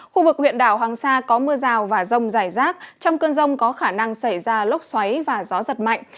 khu vực huyện đảo hoàng sa có mưa rào và rông dài rác trong cơn rông có khả năng xảy ra lốc xoáy và gió giật mạnh